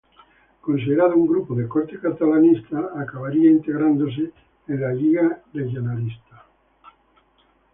Considerado un grupo de corte catalanista, acabaría integrándose en la Lliga Regionalista.